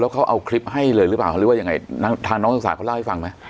เขาเอาคลิปให้เลยหรือเปล่าหรือว่ายังไงทางน้องศึกษาเขาเล่าให้ฟังไหม